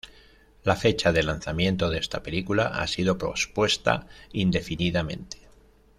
La fecha de lanzamiento de esta película ha sido pospuesta indefinidamente.